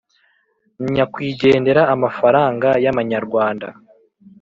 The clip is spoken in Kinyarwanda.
nyakwigendera amafaranga y amanyarwanda